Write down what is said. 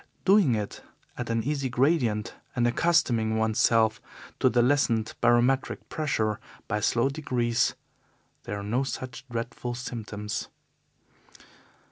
Doing it at an easy gradient and accustoming oneself to the lessened barometric pressure by slow degrees, there are no such dreadful symptoms.